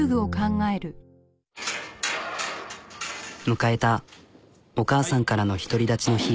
迎えたお母さんからの独り立ちの日。